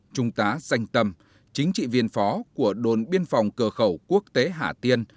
trung tá xanh tâm chính trị viên phó của đồn biên phòng cờ khẩu quốc tế hạ tiên